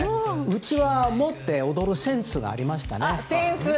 うちわを持って踊るセンスがありましたね。